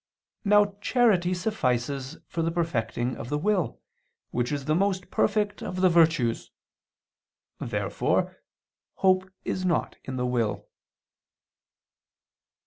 Now charity suffices for the perfecting of the will, which is the most perfect of the virtues. Therefore hope is not in the will.